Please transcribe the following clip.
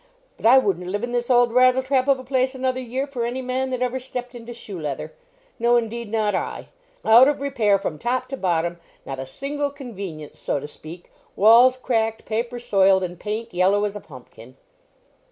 But I wouldn't live in this old rattle trap of a place another year for any man that ever stepped into shoe leather. No, indeed, not I. Out of repair from top to bottom; not a single convenience, so to speak; walls cracked, paper soiled, and paint yellow as a pumpkin."